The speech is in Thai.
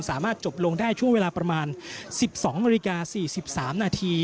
สามารถจบลงได้ช่วงเวลาประมาณ๑๒ม๔๓น